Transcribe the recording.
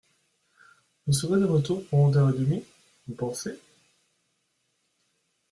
Vous serez de retour pour onze heures et demi, vous pensez ?